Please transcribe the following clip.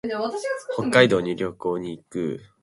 北海道に旅行に行く。